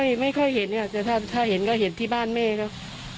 ที่นี่ไม่ค่อยเห็นนะครับแต่ถ้าเห็นก็เห็นที่บ้านเม่เขา